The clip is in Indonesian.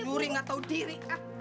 nuri gak tau diri